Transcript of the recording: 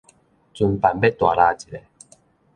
存範欲大抐一下